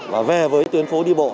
và về với tuyến phố đi bộ